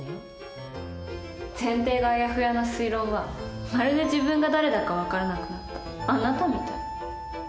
前提があやふやな推論はまるで自分が誰だか分からなくなったあなたみたい。